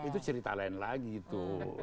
itu cerita lain lagi tuh